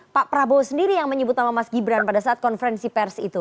pak prabowo sendiri yang menyebut nama mas gibran pada saat konferensi pers itu